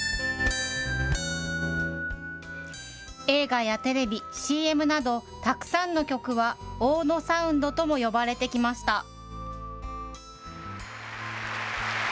映画やテレビ、ＣＭなど、たくさんの曲は大野サウンドとも呼ばれてきました。